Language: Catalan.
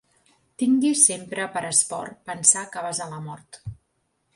Tinguis sempre per esport pensar que vas a la mort.